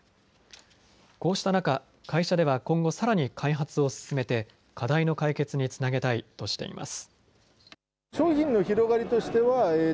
こうした中、会社では今後さらに開発を進めて課題の解決につなげたいとしています。